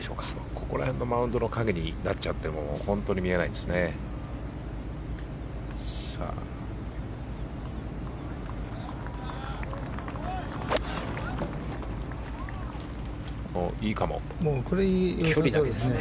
ここら辺のマウンドの陰になっちゃって見えないですね。